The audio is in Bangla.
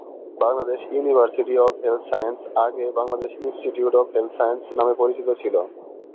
Bangladesh university of health science’ আগে 'Bangladesh institute of health sciences' নামে পরিচিত ছিল।